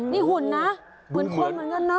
นี่หุ่นนะเหมือนคนเหมือนกันนะ